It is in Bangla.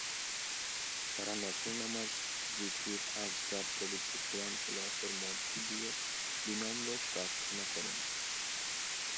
তাঁরা নফল নামাজ, জিকির-আজকার, পবিত্র কোরআন তিলাওয়াতের মধ্য দিয়ে বিনম্র প্রার্থনা করেন।